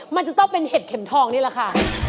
มันจะต้องเป็นเห็ดเข็มทองนี่แหละค่ะ